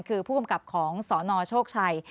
คือผู้กำกับของสนโชคชัย